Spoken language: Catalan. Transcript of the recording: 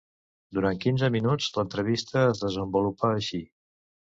Durant quinze minuts l’entrevista es desenvolupa així.